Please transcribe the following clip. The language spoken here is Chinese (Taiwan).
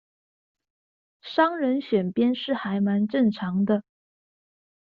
商人選邊是還蠻正常的